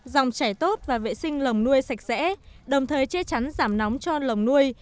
dòng chảy tốt và vệ sinh lồng nuôi sạch sẽ đồng thời che chắn giảm nóng cho lồng nuôi